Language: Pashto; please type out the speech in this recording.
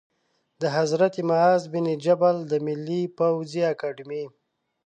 د حضرت معاذ بن جبل د ملي پوځي اکاډمۍ